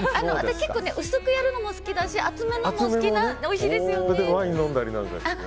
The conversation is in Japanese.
結構薄く焼くのも好きだし厚めもおいしいですよね。